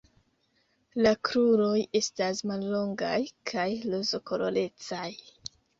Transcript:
La kruroj estas mallongaj kaj rozkolorecaj.